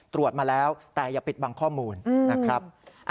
ตรวจมาแล้วแต่อย่าปิดบังข้อมูลนะครับ